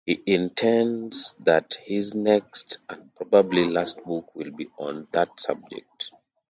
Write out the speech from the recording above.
He intends that his next and probably last book will be on that subject.